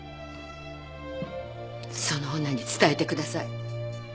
その女に伝えてください。